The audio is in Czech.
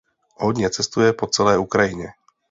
Hodně cestuje po celé Ukrajině.